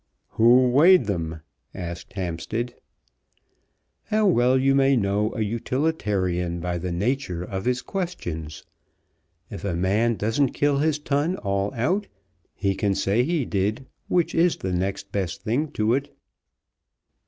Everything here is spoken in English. "Who weighed them?" asked Hampstead. "How well you may know a Utilitarian by the nature of his questions! If a man doesn't kill his ton all out, he can say he did, which is the next best thing to it."